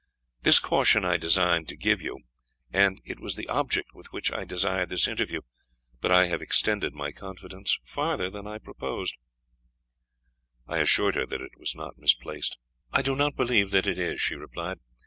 This caution I designed to give you, and it was the object with which I desired this interview; but I have extended my confidence farther than I proposed." I assured her it was not misplaced. "I do not believe that it is," she replied.